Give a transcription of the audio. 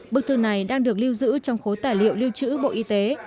bức thư này đang được lưu giữ trong khối tài liệu liêu chữ bộ y tế